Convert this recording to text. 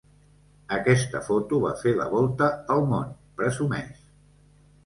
Aquesta foto va fer la volta al món —presumeix—.